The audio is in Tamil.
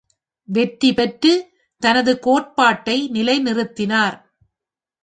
வெற்றி பெற்று தனது கோட்பாட்டை நிலை நிறுத்தினார்!